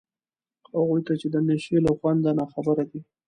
هغو ته چي د نشې له خونده ناخبر دي